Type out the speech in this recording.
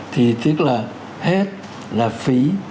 thì tức là hết là phí